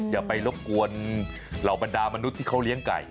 อย่าไปรบกวนเหล่าบรรดามนุษย์ที่เขาเลี้ยงไก่